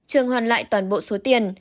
trường hoàn lại toàn bộ số tiền